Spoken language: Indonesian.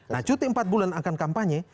nah cuti empat bulan akan kampanye